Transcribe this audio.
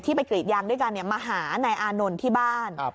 ไปกรีดยางด้วยกันมาหานายอานนท์ที่บ้าน